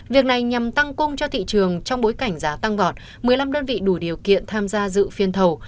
việc này nhằm tăng cung cho thị trường trong bối cảnh giá tăng vọt một mươi năm đơn vị đủ điều kiện tham gia dự phiên thầu